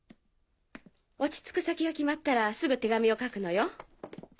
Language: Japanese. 落ち着く先が決まったらすぐ手紙を書くのよ。